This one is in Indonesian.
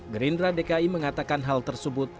gerindra dki mengatakan hal tersebut